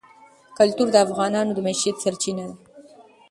کلتور د افغانانو د معیشت سرچینه ده.